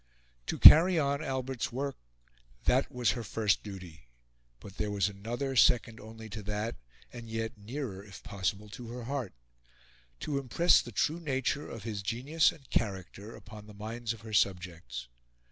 III To carry on Albert's work that was her first duty; but there was another, second only to that, and yet nearer, if possible, to her heart to impress the true nature of his genius and character upon the minds of her subjects.